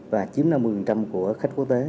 và chiếm năm mươi của khách quốc tế